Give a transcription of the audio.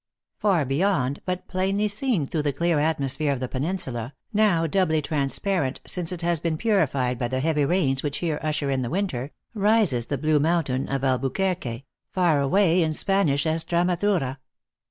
Far beyond, but plainly seen through the clear atmosphere of the peninsula, now doubly transparent since it has been purified by the heavy rains which here usher in the winter, rises the blue mountain of Albuquerque, far away in Spanish Estremadura.